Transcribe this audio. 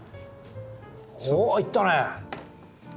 おおっいったね！